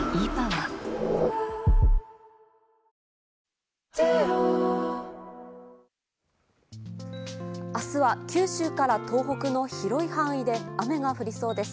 河出さんを信じて明日は九州から東北の広い範囲で雨が降りそうです。